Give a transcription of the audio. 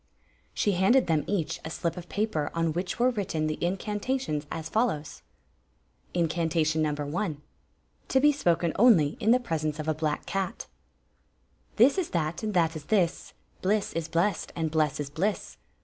She handed them each a slip of paper on which were written the incantations, as follows ; Incantation No. i. (To be ^ken only in the presence of a hUxk cat) This is that, and that is this ; Bliss is blest, and blest is bliss.